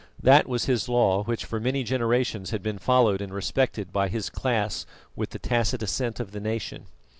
That was his law which for many generations had been followed and respected by his class with the tacit assent of the nation.